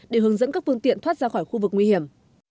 để hướng dẫn các phương tiện thoát ra khỏi khu vực nguy hiểm